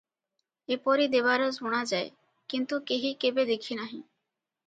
ଏପରି ଦେବାର ଶୁଣାଯାଏ, କିନ୍ତୁ କେହି କେବେ ଦେଖି ନାହିଁ ।